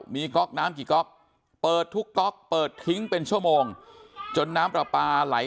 มีคล็กน้ำปิ๊บทุกปลอกปลอดทิ้งอีกเป็นชั่วโมงจนน้ำปลาไหล